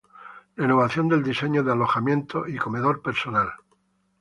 Renovación del diseño de Alojamientos y Comedor Personal.